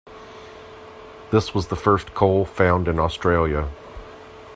This was the first coal found in Australia.